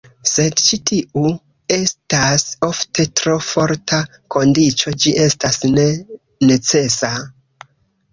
Sed ĉi tiu estas ofte tro forta kondiĉo, ĝi estas ne "necesa".